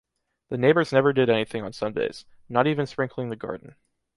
The neighbors never did anything on Sundays, not even sprinkling the garden.